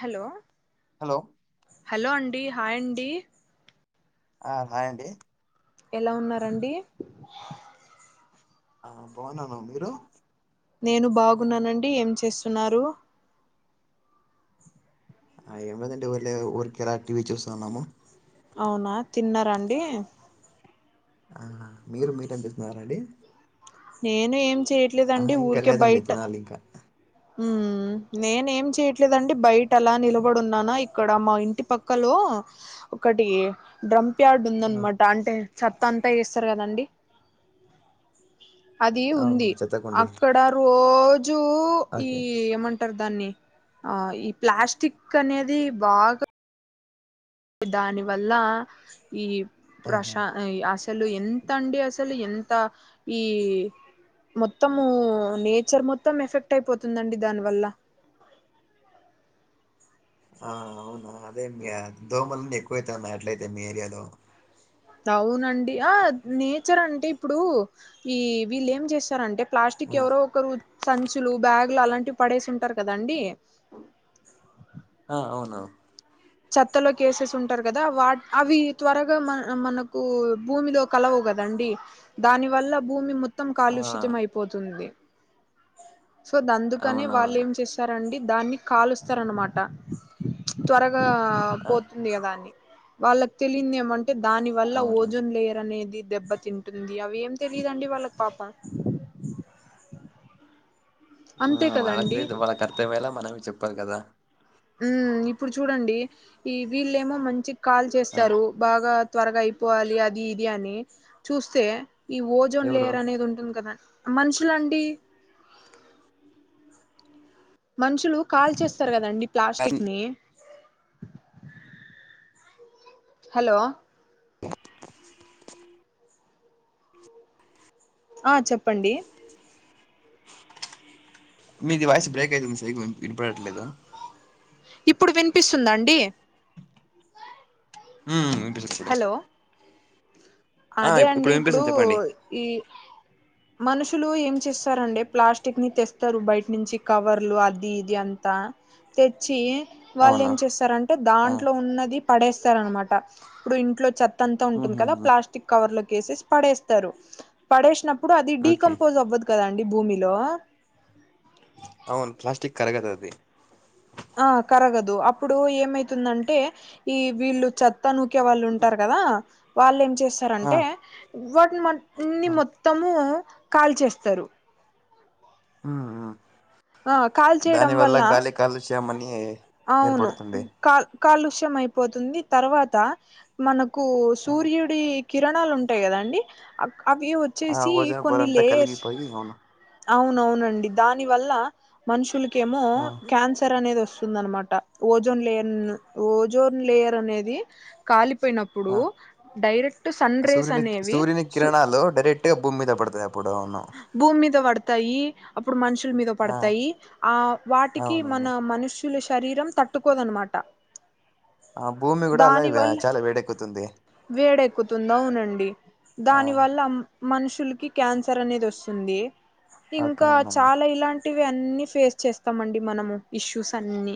Hello hello hello అండి hi అండి ఆ హాయ్ అండి ఎలా ఉన్నారండి ఆ బాగున్నాను మీరు నేను బాగున్నానండి ఏం చేస్తున్నారు అ ఎవ్వరు ఇంటికి పొవట్లేదు ఆక్టివ్ చూస్తున్నాం అవునా తిన్నార అండి ఆ మీరు మీట్ అని వెళ్తున్నరండి నేను ఏం ఆహ చేయట్లేదండి ఇంకా లేదండి తినాలి ఇంకా ఉ నేనేం చేయట్లేదండి బయట అలా నిలబడున్నానా ఇక్కడ మా ఇంటి పక్కలో ఒకటి డ్రంప్ యార్డ్ ఆ ఉందనమాట అంటే చెత్త అంతా ఏస్తారు కదండి అది ఉంది అవును చెత్తకుండి అక్కడ రోజూ ఓకే ఏం అంటారు దాన్ని అ ఈ ప్లాస్టిక్ అనేది బాగ దాని వల్ల ఈ ప్రశ ఆహా అసలు ఎంత అండి అసలు ఎంత ఈ మొత్తము నేచర్ మొత్తం ఎఫెక్ట్ అయిపోతుందండి దాని వల్ల ఆ అవునా అదే మీ దోమలన్న ఎక్కువైత అట్లయితే మీ ఏరియాలో అవునండి ఆ నేచర్ అంటే ఇప్పుడు ఈ విళ్ళేం చేస్తారంటే ఆ ప్లాస్టిక్ ఎవరో ఒకరు సంచులు బ్యాగులు అలాంటివి పడేసి ఉంటారు కదండి అ అవును చెత్తలో కేసెసి ఉంటారు కదా వా అవి త్వరగా మన మనకు భూమిలో కలవు కదండి దాని వల్ల భూమి మొత్తం ఆ కాలుష్యితం అయిపోతుంది సో దా అందుకనే వాళ్ళు అవునవును ఏం చేస్ అండి దాన్ని కాలుస్తారనమాట త్వరగా ఆ పో కదాని వాళ్ళకి తెలింది ఏమంటే దాని వల్ల అవునా ఓజోన్ లేయర్ అనేది దెబ్బతి తింటుంది అవి ఏం తెలిదండి వాళ్ళకి పాప ఆ అంతే కదండి వాళ్ళకలేదు వాళ్ళకు అర్థం అయ్యేలా మనమే చెప్పాలి కదా ఉ ఇప్పుడు చూడండి ఈ వీళ్ళేమో మంచి కాల్ ఆ చేస్తారు బాగా త్వరగా అయిపోవాలి అది ఇది అని చూస్తే ఈ ఓజోన్ ఎవరు లేయర్ అనేది ఉంటుంది కదా మనుషుల అండి మనుషులు కాల్చేస్తారు కదండి ప్లాస్టిక్ అది- ని హలో ఆ చెప్పండి మీది వాయిస్ బ్రేక్ అయింది మీ సరిగ్గ ఇనపడట్లేదు ఇప్పుడు వినిపిస్తుంద అండి ఊ వినిపిస్తుంది ఇప్పుడు హలో ఆ అదే ఇప్ అండి ఇప్పుడు వినిపిస్తుంది చెప్పండి ఈ మనుషులు ఏం చేస్తారండి ప్లాస్టిక్ ని తెస్తరు బయట నుంచి కవర్లు అది ఇది అన్ తెచ్చి వాళ్ళు అవునా ఏం చేస్తారంటే ఆ దాంట్లో ఉన్నది పడేస్తార అనమాట ఇప్పుడు ఇంట్లో చ తంతా ఉంటుంది కదా ఉహుహు ప్లాస్టిక్ కవర్లోకి ఏసేసి పడేస్తారు పడేసినప్పుడు అది ఓకే డీకంపోజ్ అవ్వదు కదా అండి భూమిలో అవును ప్లాస్టిక్ కరగదు అది ఆ కరగదు అప్పుడు ఏమైతుందంటే ఈ వీళ్ళు చెత్త నూకే వాళ్ళు ఉంటారు కదా వాళ్ళు ఏం చేస్ ఆ అంటే వాటిని న్ని ఆ మొత్తము కాల్ చేస్తరు ఉమ్ ఆ కాల్చేయడం దాని వల్ల గాలి కాలుష్యమని అవును కాల్ కాలుష్యం అయిపోతుంది తర్వాత మనకు ఆ సూర్యుడి కిరణాలు ఉంటాయి కదండి అవి ఆ వచ్చేసి ఓజోన్ పొర కొన్ని అంతా లేయర్స్ కలిగిపోయి అవును అవునవునండి దాని వల్ల మనుషులకేమో ఆ క్యాన్సర్ అనేది వస్తు దనమాట ఓజోన్ లేయర్ ఓజోన్ లేయర్ అనేది కాలిపోయినప్పు ప్పుడు ఆ డైరెక్ట్ సన్ రేస్ అనేవి సు హలో డరక్ట్ టే భూమి మీద పడుతాయి అప్పుడు అవును భూమి మీద పడతాయి అప్పుడు మనుషుల మీద ఆ పడతాయి ఆ వాటికి అవునవును మన మనుష ల శరీరం తట్టుకోదన్నమాట ఆ భూమి కూడా అలా దాని వే వల్ల చాలా వేడెక్కుతుంది వేడెక్కుతుంది అవునండి ఆ దాని వల్ల మనుషులకి క్యాన్సర్ అనేది వస్తుంది ఓకే ఇంకా అవునవును చాలా ఇలాం టివి ఫేస్ చేస్తాం అండి మనము ఇష్యూస్ అన్ని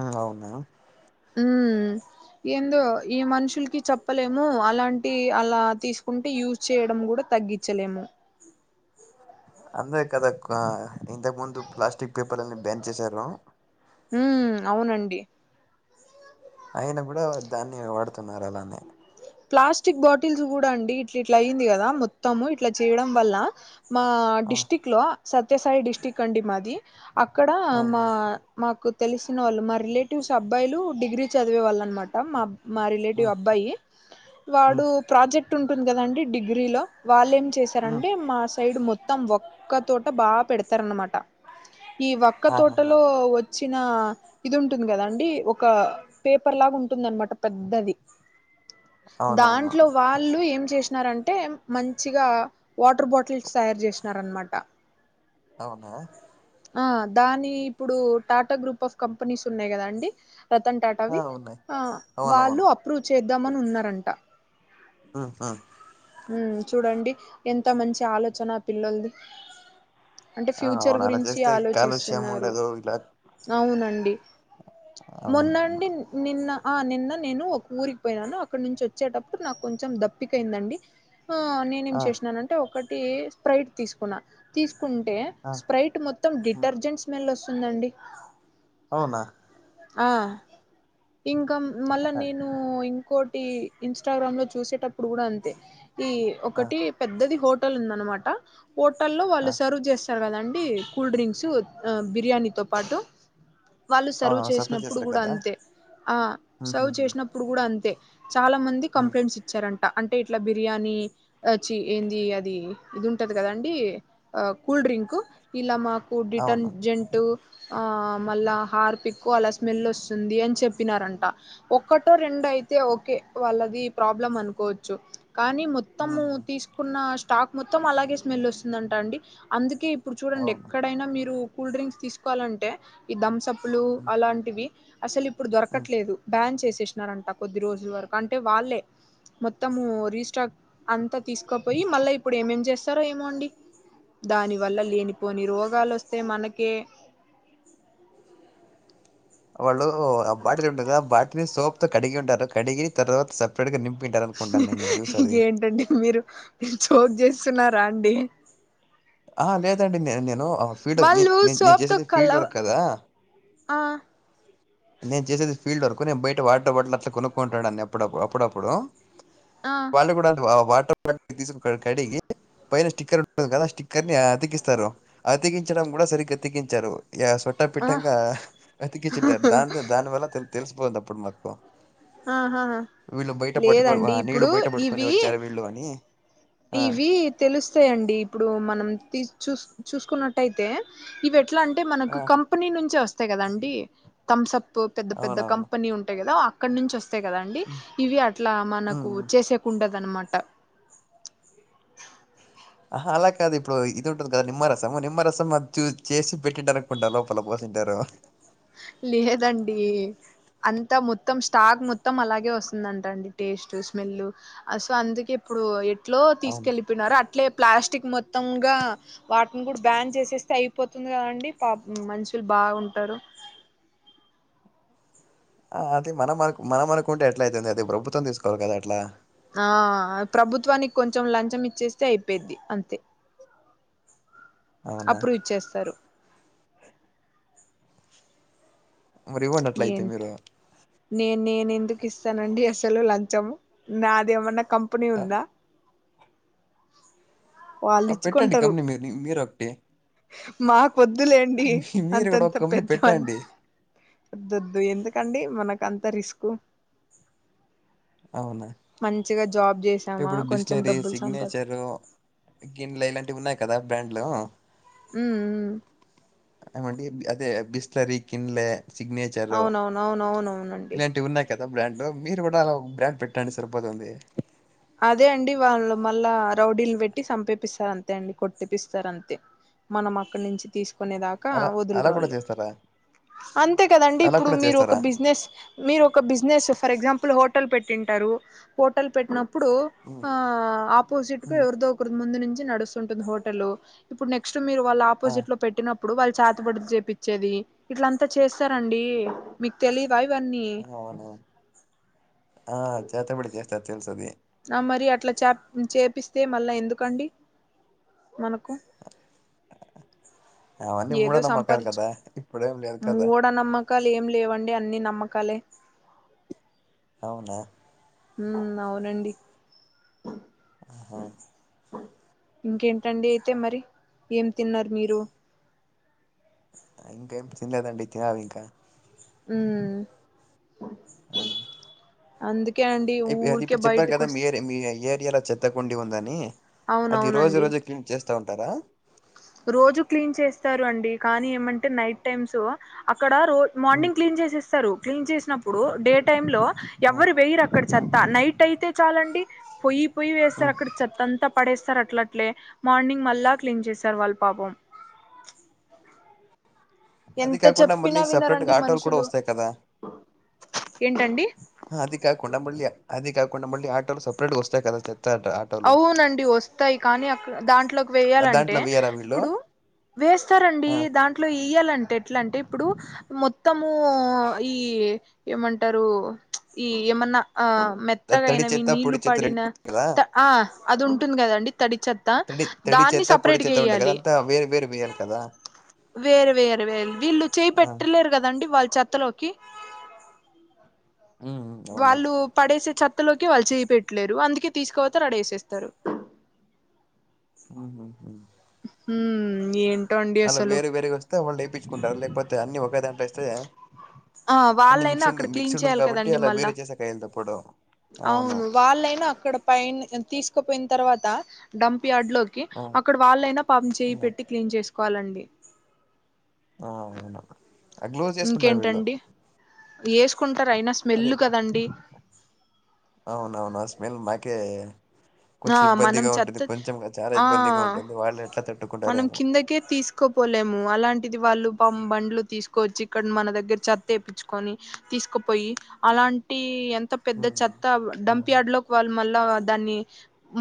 ఆ అవునా ఉమ్ ఏందో ఈ మనుషులకి చెప్పలేము అలాంటి అలా తీసుకుంటే యూస్ చేయడం కూడా తగ్గించలేము అందే కదా ఇంతకు ముందు ప్లాస్టిక్ పేపర్లని బ్యాన్ చేసారు ఊ అవునండి అయిన కూడా దాన్నే వాడుతున్నారా అలానే ప్లాస్టిక్ బాటిల్స్ కూడా అండి ఇట్ల ఇట్లా అయింది కదా మొత్తము ఇట్లా చేయడం వల్ల మా ఆ డిస్ట్రిక్ట్ లో సత్యసాయి డిస్టిక్ అండి మాది అక్కడ ఆ మా మాకు తెలిసిన వాళ్ళు మా రిలేటివ్స్ అబ్బాయిలు డిగ్రీ చదివే వాళ్ళు అనమాట మా మా రిలేటివ్ హ్మ్ అబ్బాయి వాడు హ్మ్ ప్రాజెక్ట్ ఉంటుంది కదండి డిగ్రీ లో వాళ్ళు ఏం హ్మ్ చేశారంటే మా సైడ్ మొత్తం వక్క తోట బాగా పెడతారనమాట ఈ వక్క ఆహాహా తోటలో చిన ఇది ఉంటుంది కదా అండి ఒక పేపర్ లాగా ఉంటుందనమాట పెద్దది అవునవును దాంట్లో వాళ్ళు ఏం చేసినారంటే మంచిగా వాటర్ బాటిల్స్ తయారు చేసినారనమాట అవునా ఆ దాని ఇప్పుడు టాటా గ్రూప్ ఆఫ్ కంపెనీస్ ఉన్నాయి కదా అండి రతన్ ఆ టాటావి ఉన్నాయి ఆ వాళ్ళు అవునవును అప్రూవ్ చేద్దామని ఉన్నారంట ఆహ ఉమ్ చూడండి ఎంతో మంచి ఆలోచన పిల్లలది అంటే ఆ ఫ్యూచర్ అవును అలా గురించి చేస్తే కాలుష్యం ఆలోచిస్తున్నారు ఉండదు ఇలా అవునండి అవును మొన్నండి నిన్న ఆ నిన్న నేను ఒక ఊరికి పోయినాను అక్కడ నుంచి వచ్చేటప్పుడు నాకు కొంచెం దప్పికయిందండి నేనేం ఆ చేసినానంటే ఒకటి స్ప్రైట్ తీసుకున్నా తీసుకుంటే ఆ స్ప్రైట్ హ్మ్ డిటర్జెంట్ స్మెల్ వస్తుందండి అవునా ఆ ఇంకా మళ్ళా ఆ నేను ఇంకోటి ఇంస్టాగ్రామ్ లో చూసేటప్పుడు కూడా అంతే ఈ ఆ ఒకటి పెద్దది హోటల్ ఉందనమాట హోటల్ల్లో ఆ వాళ్ళు సర్వ్ చేస్ ఉంటారు కదండీ కూల్డ్రింక్ బిర్యానీ తో పాటు వాల్లు సర్వ్ అవునవును సప్లై చేసినప్పుడు చేస్తారు కూడా కదా అంతే ఆ హ్మ్ సర్వ్ హ్మ్ హ్మ్ చేసినప్పుడు ఇప్పుడు కూడా అంతే చాలా మంది హ్మ్ కంప్లైంట్స్ ఇచ్చారంట అంటే ఇట్లా బిర్యానీ చి ఏంది అది ఇది ఉంటది కదండి ఆ కూల్ డ్రింక్ కు ఇలా మాకు అవును డీటర్జెంట్ ఆ మళ హార్పి ఎక్కువ అలా స్మెల్ వస్తుంది. అని చెప్పినారంట ఒక్కటో రెండో అయితే ఓకే వాళ్ళది ప్రాబ్లమ్ అనుకోవచ్చు కానీ మొత్తము హ్మ్ హ్మ్ తీస్ కున్న స్టాక్ మొత్తం అలాగే స్మెల్ వస్తుందంట అండి అందుకే ఇప్పుడు చూడండి. అవును ఎక్కడైనా మీరు కూల్ డ్రింక్స్ తీసుకోవాలంటే ఈ ధమ్సప్లు అలాంటివి అసలు ఇప్పుడు హ్మ్ దొరకట్లేదు బ్యాన్ చేసేసినారంట కొద్ది రోజుల వరకు అంటే వాళ్ళే మొత్తము రీస్టాక్ అంతా తీసుకోపోయి మళ్ళా ఇప్పుడు ఏమేం చేస్త స్తార ఏమోండి దాని వల్ల లేనిపోని రోగాలు వస్తే మనకే వాళ్ళు ఆ బాటిల్ ఉంటది. కాదా ఆ బ్యాటరీ ని సోప్ తో కడిగి ఉంటారు. కడిగి తరువాత స ఇప్పుడుగా నింపి ఉంటారు. అనుకుంటాను నిన్న జ్యూస్ అది ఏంటండి మీరు [unintelligible] జోక్ చేస్తున్నారా అండి ఆ లేదండి నే నేను ఫీల్డ్ నే వాళ్ళు నే నేను సోప్ తో చేసేది ఫీల్డ్ కలవ వర్క్ కదా ఆ నేను చేసేది ఫీల్డ్ వర్క్ నేను బయట వాడ వాడ్లు అట్లా కొనుక్కుంటాడని ఎప్పుడప్పుడు అప్పుడప్పుడు ఆ వాళ్ళు కూడా వాటర్ బాటిల్ తీసుకు కడిగి పైన స్టిక్కర్ ఉంటుంది. కదా స్టిక్కర్ ని అతికిస్తారు. అతికిించడం. కూడా సరిగ్గా అతికించారు. ఇగ ఆ సొట్టపిట్టంగా అతికిచ్చ దానివల్ల తెలిసిపోయింది. అప్పుడు మాకు ఆహాహా వీళ్ళు బయట పట్టుకో లేదండి నీళ్లు ఇప్పుడు బయట పట్టుకోని ఇవి వచ్చారు వీళ్ళు అని ఆ! ఇవి తెలుస్తాయండి. ఇప్పుడు మనం చూసు చూసుకున్నట్టయితే ఇవి ఎట్లా అంటే మనకు ఆ! కంపెనీ నుంచే వస్తాయి. కదా ఆండి థమ్స అప్ పెద్ద పెద్ద అవునవును. కంపెనీ ఉంటాయి. కదా అక్కడ నుంచి వస్తయి వస్తే కదండి. ఇవి అట్లా హ్మ్. మనకు హ్మ్. చేసేకుండదు అన్నమాట ఆహా అలా కాదు ఇప్పుడు ఇది ఉంటుంది. కదా నిమ్మరసము నిమ్మరసం చూ చేసి పెట్టింటారు. అనుకుంటారు లోపల పోసింటారు. లేదండి అంతా మొత్తం స్టాక్ మొత్తం అలాగే వస్తుందటండి. టేస్ట్ స్మెల్ సో అందుకే ఇప్పుడు ఎట్లో అవును తీసుకెళ్ళలిపోయినారు. అట్లే ప్లాస్టిక్ మొత్తంగా వాటిని కూడా బ్యాన్ చేసేస్తే అయిపోతుంది. కదండి పాపం మనుషులు కూడా బాగుంటారు. ఆ అది మనం అ మనం అనుకుంటే ఎట్లా అయితది అది ప్రభుత్వం తీసుకోవాలి. కదా అట్లా ఆ ప్రభుత్వానికి కొంచెం లంచం ఇచ్చేస్తే అయిపోయిద్ది అంతే అవునా అప్రూవ్ ఇచ్చేస్తారు మరి ఇవ్వండి అట్లా అయితే ఏంటో మీరు నేను నేను ఎందుకు ఇస్తానండి. అసలు లంచం నాది ఏమన్నా కంపెనీ ఆ ఉందా వాళ్ళు పెట్టండి ఇచ్చుకుంటారు కంపేనీ మీరు మీరు ఒకటి మాకు వద్దులేండి మీరు కూడా అంతంత ఒక కంపెనీ పెద్ద పెట్టండి వద్దొద్దు ఎందుకండి మనకు అంత రిస్క్ అవునా మంచిగా జాబ్ చేసి ఇప్పుడు బిస్లరీ సిగ్నేచరు కిన్లీ ఇలాంటివి ఉన్నాయి కదా బ్రాండ్లు ఉ ఊ ఏమంటే అదే బిస్లరీ కిన్లే సిగ్నేచరు అవునవును అవునవునవునండి ఇలాంటివి ఉన్నా యి కదా బ్రాండ్ మీరు కూడా అలా బ్రాండ్ పెట్టండి సరిపోతుంది అదే అండి వాళ్ళు మళ్ళా రౌడీలు పెట్టి చంపేపిస్తారు అంతే అండి కొట్టి పిస్తారు అంతే మనం అక్కడి నుంచి తీసుకునేదాకా అలా అలా వోదలరు కూడా వాళ్ళు చేస్తారా? అంతే కదండి అలా ఇప్పుడు కూడా మీరు ఒక చేస్తారా? బిజినెస్ మీరు ఒక బిజినెస్ ఫర్ ఎగ్జాంపుల్ హోటల్ పెట్టింటారు హోటల్ పెట్టినప్పుడు హ్మ్. ఆ ఆపోజిట్ కు హ్మ్. ఎవరితో ఒకరి ముందు నుంచి నడుస్తుంటుంది హోటల్ ఇప్పుడు నెక్స్ట్ మీరు వాళ్ళ ఆ! ఆపోజిట్ లో పెట్టినప్పుడు వాళ్ళు చేతబడులు చెపిచ్చేది ఇట్లంతా చేస్తారండి మీకు తెలియవా ఇవన్నీ అవును అవును చేతబడి చేస్తారు తెలుసు అది మరి అట్లా చా చేపిస్తే మళ్ళా ఎందుకండి మనకు అవన్నీ ఏదో మూడనమ్మకాలు సంపాదించు కాదా ఇప్పుడేం లేవు కాదా మ్మకాలు ఏం లేవండి అన్ని నమ్మకాలే అవునా ఉ అవునండి అ ఆహా ఇంకేంటండి అయితే మరి ఏం తిన్నారు మీరు ఇంకేం తినలేదండి తినాలి ఇంకా ఉ ఆ అందుకే అ ఇ అది ఇప్పుడు చెప్పారు కదా మీర్ మీ ఏరియాలో చె చేత్తకుండి ఉందని అది రోజు అవునవునండి రోజే క్లీన్ చేస్తా ఉంటారా రోజు క్లీన్ చేస్తారు అండి కానీ ఏమంటే నైట్ టైమ్స్ అక్కడ రో హ్మ్. మార్నింగ్ క్లీన్ చేసేస్తారు క్లీన్ చేసినప్పుడు డే టైం లో హ్మ్. ఎవరు వెయ్యరు అక్కడ హ్మ్. చెత్త నైట్ అయితే చాలండి పొయ్యి పొయ్యి వేస్తా హ్మ్. అక్కడ చెత్త అంతా పడేస్తారు అట్లట్లే మార్నింగ్ మళ్ళా క్లీన్ చేసారు వాళ్ళు పాపం అది ఎంత కాకుండా మళ్ళీ చెప్పినా సెపరేట్‌గా వినరండి ఆటోలు కూడా మనుషులు వస్తాయి కదా! ఏంటండి అది కాకుండా మళ్ళీ అదికాకుండా మళ్ళీ ఆటోలో సపరేట్ వస్తాయి కదా చెత్త అంత అవునండి వస్తాయి కానీ అక్క దాంట్లోకి ఆ! వెేయాలంటే దాంట్లో వెయ్యరా వీళ్ళు? ఇప్పుడు వేస్తారండి ఆ దాంట్లో ఇయ్యాలంటే ఎట్లా అంటే ఇప్పుడు మొత్తము ఈ ఏమంటారు ఈ ఏమన్నా ఆ త- మెత్తగా తడి అయినవి చెత్త పొడి నీళ్లు చెత్త రెండు పడిన ఉంటాయి కదా ఆ అది ఉంటుంది కదండి తడి చే తడి తడి చేత్త పొడి చెత్త ఉంటాయి కదా అంత వేరు వేరు వెయ్యాలి కదా వేరు వేరు వేరు వీళ్ళు చెయ్యి ఆ పెట్టలేరు కాదండి వాళ్ళ చెత్తలోకి ఉమ్ ఉమ్, అవును వాళ్ళు పడేసే చెత్తలోకి వాళ్ళు చేయి పెట్టలేరు అందుకే తీసుకోవోతరు అడేఏసేస్తారు ఆ హ్మ్ ఏం అలా వేరువేరుగా వస్తే వాళ్ళు వేపించుకుంటారు లేకపోతే అన్ని ఒక దాంట్లో ఎస్తే ఆ అన్ని వాళ్ళైనా మిక్స్ డు అక్కడ మిక్స్ క్లీన్ ఉంటుంది చేయాలి కాబట్టి కదండి అలా మళ్ళా వేరే చేసే కాయలతో పోడం అవును వాళ్ళైనా అక్కడ పైన తీసుకుపోయిన తర్వాత డంప్ యార్డ్ లోకి అవును అక్కడ వాళ్ళైనా పాపం చెయి ఉమ్, ఉమ్, పెట్టి క్లీన్ చేసుకోవాలండి ఆ అవును గ్లోజ్ చేసుకుంటారు వీళ్ళు ఇంకేంటండి వేసుకుంటారు అయినా స్మెల్ అదే కదండి అవునవును అ స్మేల్ మాకే ఆ కొంచెం మనం ఇబ్బందిగా ఉంటుంది చెత్త కొంచెం కాదు చాలా ఆ ఇబ్బందిగా ఉంటుంది వాళ్ళు ఎట్లా తట్టుకుంటారేమో కోపోలేము అలాంటిది వాళ్ళు పం బండ్లు తీసుకోచ్చి ఇక్కడ మన దగ్గర చెత్త ఏపిచుకొని తీసుకుపోయి అలాంటి ఎం త్త పెద్ద ఉమ్ చెత్త డంప్ ఉమ్ యార్డ్ లో వాళ్ళు మళ్ళా దాన్ని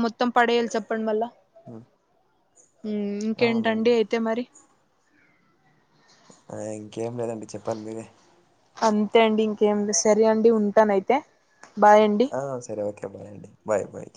మొత్తం పడేయాలి చెప్పండి మళ్ళ ఉ ఊ ఇంకేంటండి అయితే మరి ఆ ఇంకేం లేదండి చెప్పాలి మీరే అంతే అండి ఇంకేం లే సరే అండి ఉంటానయితే బాయ్ అండి ఆ సరే ఓకే బాయ్ అండి బయ్ బాయ్